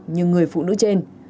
như người phụ nữ trên